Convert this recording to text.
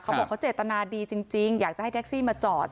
เขาบอกเขาเจตนาดีจริงอยากจะให้แท็กซี่มาจอด